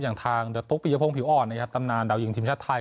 อย่างทางเดอะตุ๊กปียะโพงผิวอ่อนตำนานดาวหญิงทีมชาติไทย